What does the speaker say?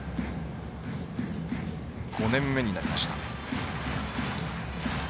５年目になりました。